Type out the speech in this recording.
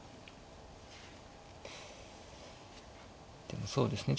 でもそうですね